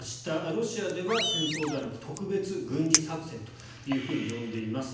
ロシアでは戦争ではなく特別軍事作戦と呼んでいます。